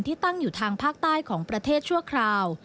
ตั้งอยู่ทางภาคใต้ของประเทศชั่วคราว